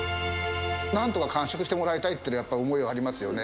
なんとか完食してもらいたいっていう思いはありますよね。